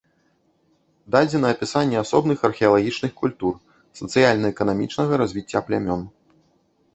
Дадзена апісанне асобных археалагічных культур, сацыяльна-эканамічнага развіцця плямён.